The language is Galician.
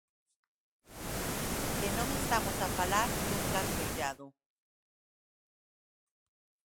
E non estamos a falar dun caso illado.